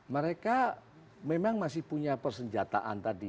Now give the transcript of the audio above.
mereka memang masih punya persenjataan tadi